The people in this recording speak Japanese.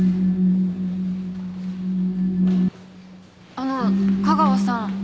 あの架川さん。